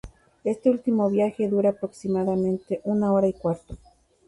Este último viaje dura aproximadamente una hora y cuarto.